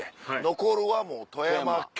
残るはもう富山県。